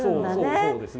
そうですね。